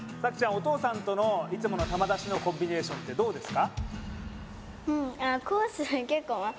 お父さんとのいつもの球出しのコンビネーションってどうですか？